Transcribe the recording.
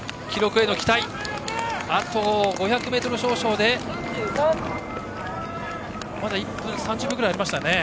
あと５００ｍ少々でまだ１分３０秒ぐらいありました。